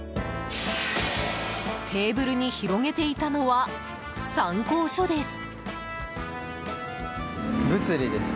テーブルに広げていたのは参考書です。